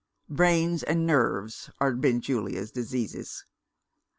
Brains and nerves are Benjulia's diseases.